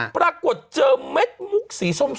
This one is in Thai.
ปรากฏเจอเม็ดมุกสีส้ม